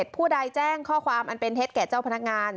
ผู้ใดแจ้งข้อความอันเป็นเท็จแก่เจ้าพนักงาน